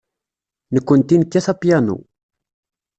Nekkenti nekkat apyanu.